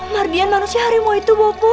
mardian manusia harimau itu buku